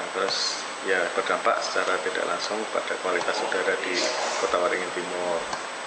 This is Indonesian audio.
terus ya berdampak secara tidak langsung pada kualitas udara di kota waringin timur